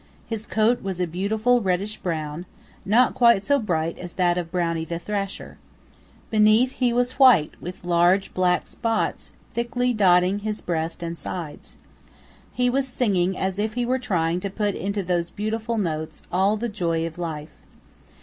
His coat was a beautiful reddish brown, not quite so bright as that of Brownie the Thrasher. Beneath he was white with large, black spots thickly dotting his breast and sides. He was singing as if he were trying to put into those beautiful notes all the joy of life.